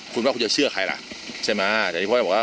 คุณว่าคุณจะเชื่อใครล่ะใช่ไหมแต่ที่พ่อจะบอกว่า